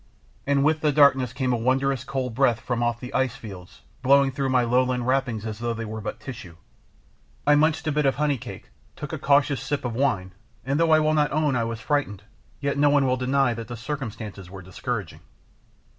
And with the darkness came a wondrous cold breath from off the ice fields, blowing through my lowland wrappings as though they were but tissue. I munched a bit of honey cake, took a cautious sip of wine, and though I will not own I was frightened, yet no one will deny that the circumstances were discouraging.